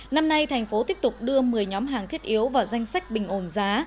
năm nay thành phố tiếp tục đưa một mươi nhóm hàng thiết yếu vào danh sách bình ổn giá